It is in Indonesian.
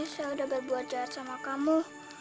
saya udah berbuat jahat sama kamu